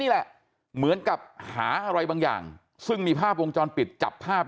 แหละเหมือนกับหาอะไรบางอย่างซึ่งมีภาพวงจรปิดจับภาพ